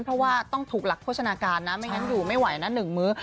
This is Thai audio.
เพราะว่าต้องถูกหลักโภชนาการนะไม่งั้นอยู่ไม่ไหวนะ๑มื้อ